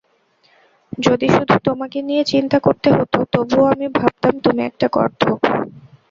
যদি শুধু তোমাকে নিয়ে চিন্তা করতে হতো, তবুও আমি ভাবতাম তুমি একটা গর্দভ।